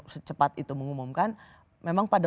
secepat itu mengumumkan memang pada